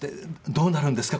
「どうなるんですか？